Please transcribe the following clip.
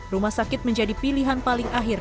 rumah sakit menjadi pilihan paling akhir